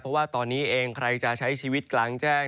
เพราะว่าตอนนี้เองใครจะใช้ชีวิตกลางแจ้ง